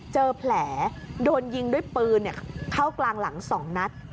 เจอแผลโดนยิงด้วยปืนเข้ากลางหลัง๒นัด